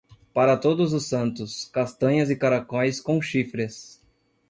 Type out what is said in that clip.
Para todos os santos, castanhas e caracóis com chifres.